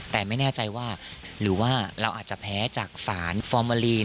แต่ไม่แน่ใจว่าหรือว่าเราอาจจะแพ้จากสารฟอร์มาลีน